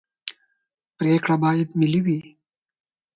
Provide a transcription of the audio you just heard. پرېکړې باید ملي وي